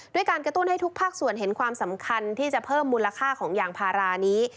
ด้วยการกระตุ้นให้ทุกภาคส่วนเห็นความสำคัญที่จะเพิ่มมูลค่าของยางพารานี้